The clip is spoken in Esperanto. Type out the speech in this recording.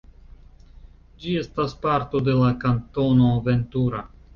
Ĝi estas parto de la Kantono Ventura.